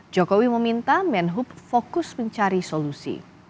jokowi meminta menhub fokus mencari solusi